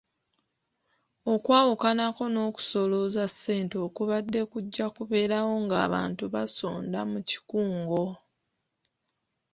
Okwawukanako n’okusolooza ssente okubadde kujja kubeerawo ng’abantu basonda mu kikungo.